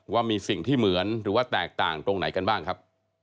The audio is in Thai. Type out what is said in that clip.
ว่ามีสิ่งที่เหมือนหรือว่าแตกต่างตรงไหนกันบ้างครับ